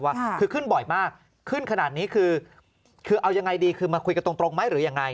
ว่าคือขึ้นบ่อยมากขึ้นขนาดนี้คือคือเอายังไงดีคือมาคุยกันตรงไหมหรือยังไง